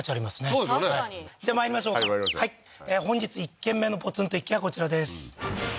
そうですよねじゃあまいりましょうかはいまいりましょう本日１軒目のポツンと一軒家こちらです